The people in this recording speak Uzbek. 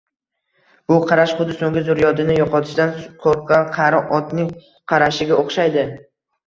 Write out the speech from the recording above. Bu qarash xuddi soʻnggi zurriyodini yoʻqotishdan qoʻrqqan qari otning qarashiga oʻxshaydi.